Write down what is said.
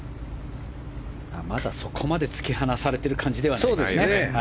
まだそこまで突き放されてる感じではありません。